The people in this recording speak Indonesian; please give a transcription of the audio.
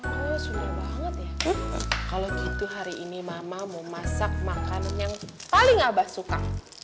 wah susah banget ya kalau gitu hari ini mama mau masak makanan yang paling abah suka